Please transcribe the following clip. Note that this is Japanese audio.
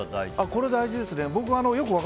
これ大事ですね。